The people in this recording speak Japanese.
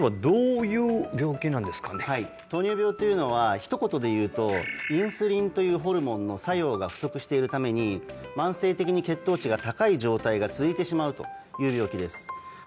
改めて糖尿病というのはひと言で言うとインスリンというホルモンの作用が不足しているために慢性的に血糖値が高い状態が続いてしまうという病気です